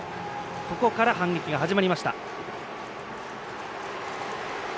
ここから反撃が始まりました。